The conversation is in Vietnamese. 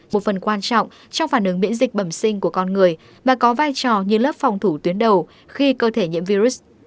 một phần quan trọng trong phản ứng miễn dịch bẩm sinh của con người và có vai trò như lớp phòng thủ tuyến đầu khi cơ thể nhiễm virus